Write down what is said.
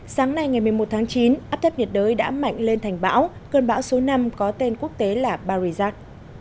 sáng nay ngày một mươi một tháng chín áp thấp nhiệt đới đã mạnh lên thành bão cơn bão số năm có tên quốc tế là paris